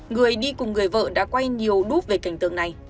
người đi cùng người vợ đã quay nhiều đúc về cảnh tượng này